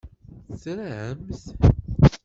Tramt-t?